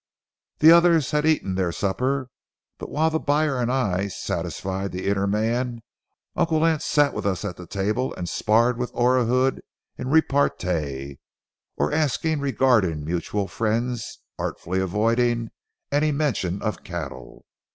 The others had eaten their supper; but while the buyer and I satisfied the inner man, Uncle Lance sat with us at the table and sparred with Orahood in repartee, or asked regarding mutual friends, artfully avoiding any mention of cattle.